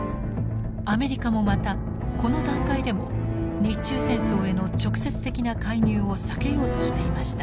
アメリカもまたこの段階でも日中戦争への直接的な介入を避けようとしていました。